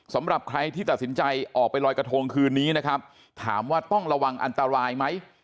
สำหรับใครที่ตัดสินใจออกไปลอยกระทงคืนนี้นะครับถามว่าต้องระวังอันตรายไหม